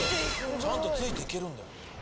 ちゃんとついていけるんだ。